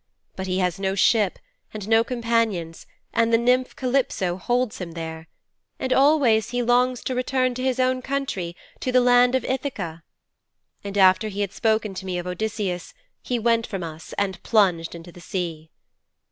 But he has no ship and no companions and the nymph Calypso holds him there. And always he longs to return to his own country, to the land of Ithaka." And after he had spoken to me of Odysseus, he went from us and plunged into the sea.